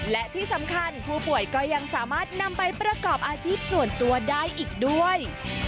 และที่สำคัญผู้ป่วยก็ยังสามารถนำไปประกอบอาชีพส่วนตัวได้อีกด้วย